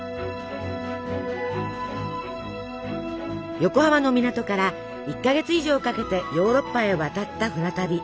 横浜の港から１か月以上かけてヨーロッパへ渡った船旅。